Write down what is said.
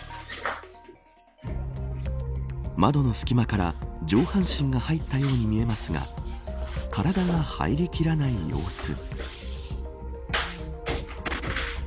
窓の隙間から上半身が入ったように見えますが体が入りきらない様子。